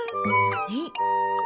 えっ。